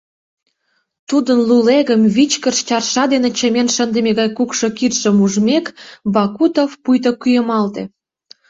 Тудын лулегым вичкыж чарша дене чымен шындыме гай кукшо кидшым ужмек, Бакутов пуйто кӱэмалте.